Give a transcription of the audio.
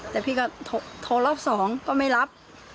แต่พี่ก็โทรรอบสองก็ไม่รับ